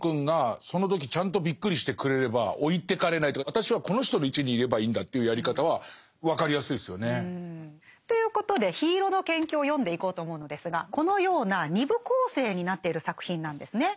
私はこの人の位置にいればいいんだというやり方は分かりやすいですよね。ということで「緋色の研究」を読んでいこうと思うのですがこのような２部構成になっている作品なんですね。